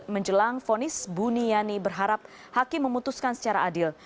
menjelang fonis buniyani berharap hakim memutuskan secara adil